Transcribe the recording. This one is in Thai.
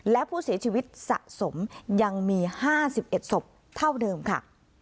และผู้เสียชีวิตสะสมยังมี๕๑ศพเท่าเดิมค่ะ